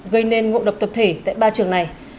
gây nên ngộ độc tập thể tại ba trường này